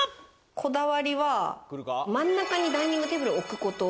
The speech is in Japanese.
こだわりは、真ん中にダイニングテーブルを置くこと。